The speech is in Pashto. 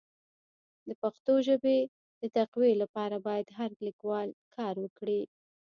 د پښتو ژبي د تقويي لپاره باید هر لیکوال کار وکړي.